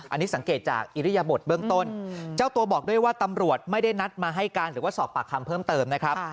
อันนี้สังเกตจากอิริยบทเบื้องต้นเจ้าตัวบอกด้วยว่าตำรวจไม่ได้นัดมาให้การหรือว่าสอบปากคำเพิ่มเติมนะครับ